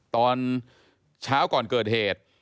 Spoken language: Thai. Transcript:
ตอนเช้าก่อนเกิดเหตุ